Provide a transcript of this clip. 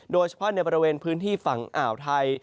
โดยเฉพาะในบริเวณพื้นที่ฝั่งอ่าวไทย